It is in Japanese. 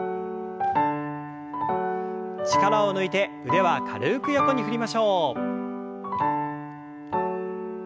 力を抜いて腕は軽く横に振りましょう。